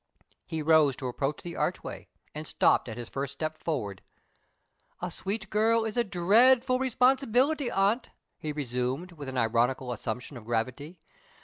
He rose to approach the archway, and stopped at his first step forward. "A sweet girl is a dreadful responsibility, aunt," he resumed, with an ironical assumption of gravity.